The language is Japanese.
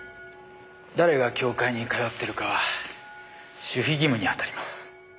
誰が教会に通ってるかは守秘義務に当たります。